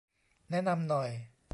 แนะนำหน่อย